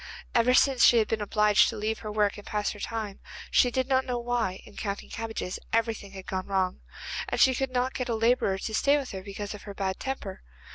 Ever since she had been obliged to leave her work and pass her time, she did not know why, in counting cabbages, everything had gone wrong, and she could not get a labourer to stay with her because of her bad temper.